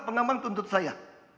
pengembang tuntut saya